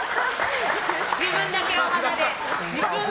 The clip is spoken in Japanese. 自分だけお花で。